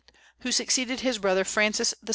who succeeded his brother Francis II.